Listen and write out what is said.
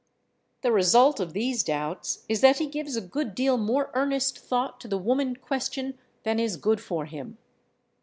The result of these doubts is that he gives a good deal more earnest thought to the woman question than is good for him.